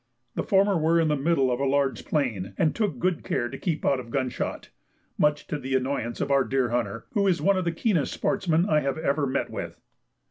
The former were in the middle of a large plain, and took good care to keep out of gun shot, much to the annoyance of our deer hunter, who is one of the keenest sportsmen I have ever met with.